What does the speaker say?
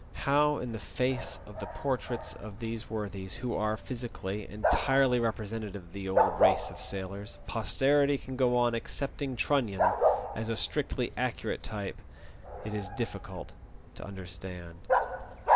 How in the face of the portraits of these worthies, who are, physically, entirely represen tative of the old race of sailors, posterity can go on accepting Trunnion as a strictly accurate type it is difficult to understand.